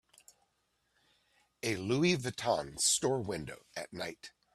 A Louis Vuitton store window at night